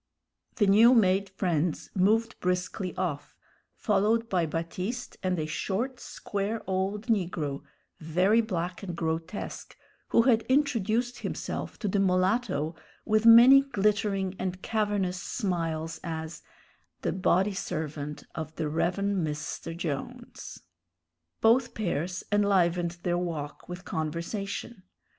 The new made friends moved briskly off, followed by Baptiste and a short square old negro, very black and grotesque, who had introduced himself to the mulatto with many glittering and cavernous smiles as "d'body servant of d'Rev'n' Mr. Jones." Both pairs enlivened their walk with conversation.